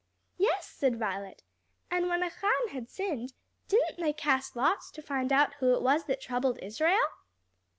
"Yes," said Violet, "and when Achan had sinned, didn't they cast lots to find out who it was that troubled Israel?"